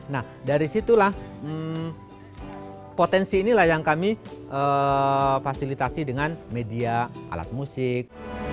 nah dari situlah potensi inilah yang kami fasilitasi dengan media alat musik